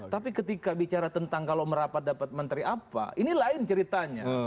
tapi ketika bicara tentang kalau merapat dapat menteri apa ini lain ceritanya